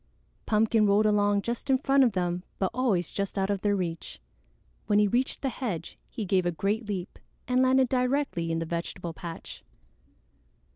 Pumpkin rolled along just in front of them but always just out of their reach. When he reached the hedge, he gave a great leap and landed directly in the vegetable patch.